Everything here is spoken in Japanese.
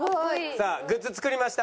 さあグッズ作りました。